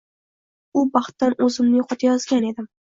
U baxtdan o‘zimni yo‘qotayozgan edim